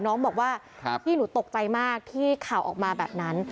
น้องบอกว่าพี่หนูตกใจมากที่ข่าวออกมาแบบนั้น